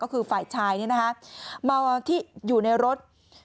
ก็คือฝ่ายชายเมาที่อยู่ในรถ